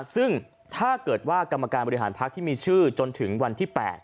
ซึ่งถ้าเกิดว่ากรรมการบริหารพักที่มีชื่อจนถึงวันที่๘